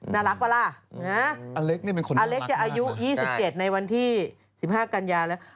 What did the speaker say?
น่ารักป่ะล่ะอเล็กจะอายุ๒๗ในวันที่๑๕กันยาแล้ว